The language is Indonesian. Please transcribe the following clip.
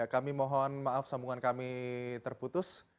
kami mohon maaf sambungan kami terputus